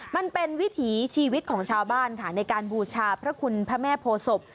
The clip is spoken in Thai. มันเป็นวิถีชีวิตของชาวบ้านค่ะในการบูชาพระคุณพระแม่โพศพ